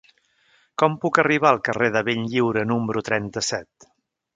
Com puc arribar al carrer de Benlliure número trenta-set?